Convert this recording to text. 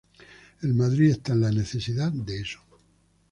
El Madrid está en la necesidad de eso.